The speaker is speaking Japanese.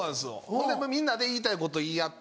ほんでみんなで言いたいこと言い合って。